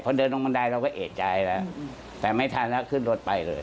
พอเดินลงบันไดเราก็เอกใจแล้วแต่ไม่ทันแล้วขึ้นรถไปเลย